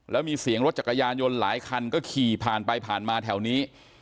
แล้วมีเสียงรถจักรยานยนต์หลายคันก็ขี่ผ่านไปผ่านมาแถวนี้